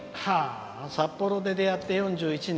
札幌で出会って４１年。